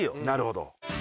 なるほど。